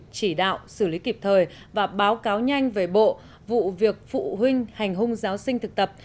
chỉ đạo xử lý kịp thời và báo cáo nhanh về bộ vụ việc phụ huynh hành hung giáo sinh thực tập